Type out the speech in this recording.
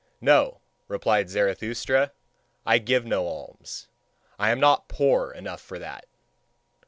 "No," replied Zarathustra, "I give no alms. I am not poor enough for that."